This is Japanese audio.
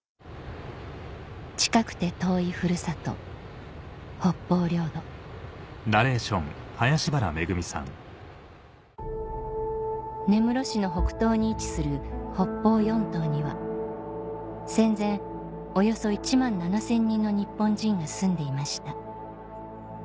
近くて遠い古里北方領土根室市の北東に位置する北方四島には戦前およそ１万７０００人の日本人が住んでいました